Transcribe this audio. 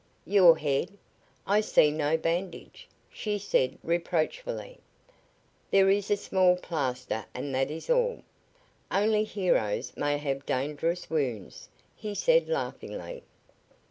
"Your head? I see no bandage," she said, reproachfully. "There is a small plaster and that is all. Only heroes may have dangerous wounds," he said, laughingly.